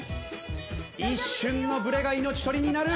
一瞬のブレが命取りになる！